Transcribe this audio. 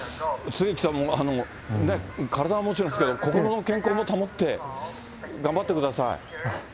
槻木さんもね、体はもちろんですけど、心の健康も保って、頑張ってください。